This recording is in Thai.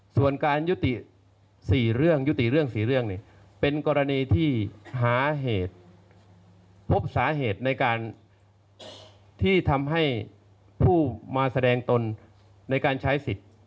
ส่วนการยุติ๔เรื่องยุติเรื่อง๔เรื่องเป็นกรณีที่หาเหตุพบสาเหตุในการที่ทำให้ผู้มาแสดงตนในการใช้สิทธิ์